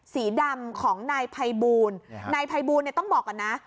สีดำของนายไพบูนนะฮะนายไพบูนเนี่ยต้องบอกก่อนนะ